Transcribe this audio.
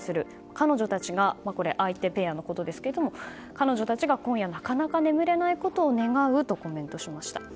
彼女たちがこれは相手ペアのことですが今夜なかなか眠れないことを願うとコメントしました。